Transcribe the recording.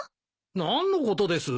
何のことです？